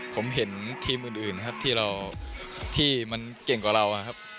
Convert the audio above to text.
ผมเห็นทีมอื่นครับที่มันเก่งกว่าเราครับ